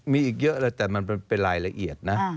มีอีกเยอะเลยแต่มันเป็นรายละเอียดนะ